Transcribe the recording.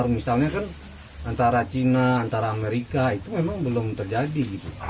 misalnya kan antara china antara amerika itu memang belum terjadi